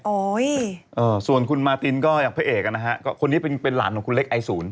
ส่วนคุณมาตินก็อย่างพระเอกอ่ะนะฮะก็คนนี้เป็นหลานของคุณเล็กไอศูนย์